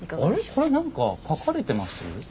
これ何か描かれてます？